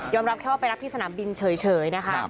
รับแค่ว่าไปรับที่สนามบินเฉยนะคะ